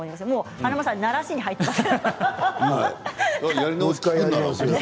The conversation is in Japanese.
華丸さんならしに入っています。